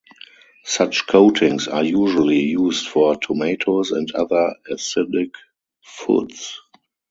Such coatings are usually used for tomatoes and other acidic foods.